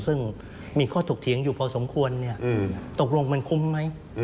ซึ่งมีข้อถกเถียงอยู่พอสมควรตกลงมันคุ้มไหม